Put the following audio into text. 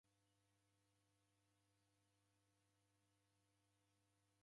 Olow'oa ikeku ja mka.